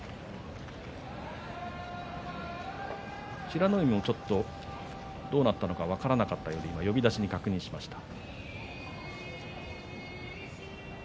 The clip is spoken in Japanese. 美ノ海もちょっとどうなったのか分からなかったように見えて呼出しに確認をしました。